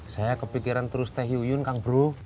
saya kepikiran terus teh yuyun kang bro